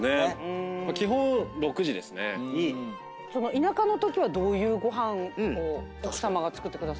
田舎のときはどういうご飯を奥さま作ってくださるんですか？